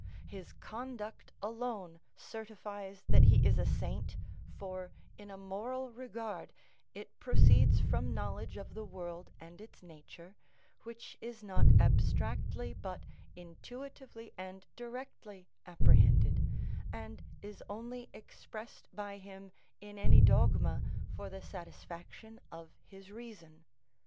His conduct alone certifies that he is a saint, for, in a moral regard, it proceeds from knowledge of the world and its nature, which is not abstractly but intuitively and directly apprehended, and is only expressed by him in any dogma for the satisfaction of his reason.